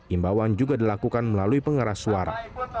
imbauan juga dilakukan melalui pengeras suara